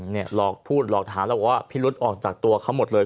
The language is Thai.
หลอกพูดหลอกหาแล้วบอกว่าพิรุษออกจากตัวเขาหมดเลย